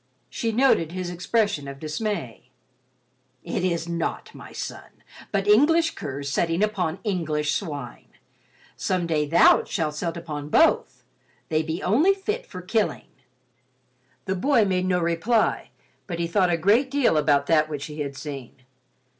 She noted his expression of dismay. "It is naught, my son. But English curs setting upon English swine. Some day thou shalt set upon both—they be only fit for killing." The boy made no reply, but he thought a great deal about that which he had seen.